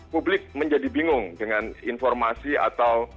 publik menjadi bingung dengan informasi atau